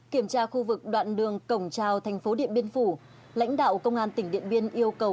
kiểm tra khu vực đoạn đường cổng trào thành phố điện biên phủ lãnh đạo công an tỉnh điện biên yêu cầu